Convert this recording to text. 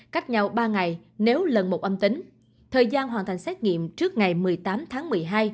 cách nhau ba ngày nếu lần một âm tính thời gian hoàn thành xét nghiệm trước ngày một mươi tám tháng một mươi hai